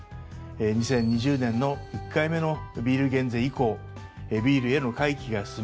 ２０２０年の１回目のビール減税以降ビールへの回帰が進み